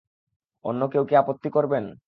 অন্য কেউ কি আপত্তি করবেন?